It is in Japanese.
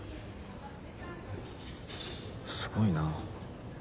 すごいな。